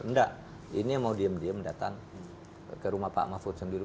enggak ini mau diem diem datang ke rumah pak mahfud sendiri